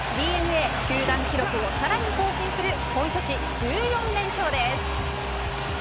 ＤｅＮＡ、球団記録をさらに更新する本拠地１４連勝です。